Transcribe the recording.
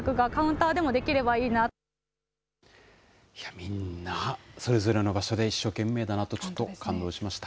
みんな、それぞれの場所で一生懸命だなと、ちょっと感動しました。